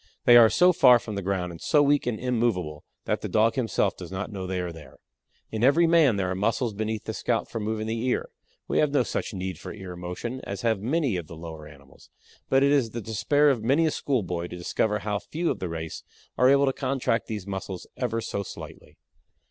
They are so far from the ground and so weak and immovable that the Dog himself does not know they are there. In every man there are muscles beneath the scalp for moving the ear. We have no such need for ear motion as have many of the lower animals, but it is the despair of many a school boy to discover how few of the race are able to contract these muscles ever so slightly.